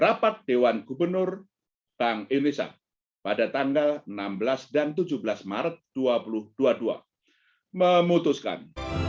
rapat dewan gubernur bank indonesia pada tanggal enam belas dan tujuh belas maret dua ribu dua puluh dua memutuskan